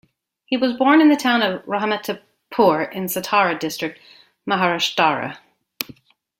He was born in the town of Rahimatpur in Satara District, Maharashtra.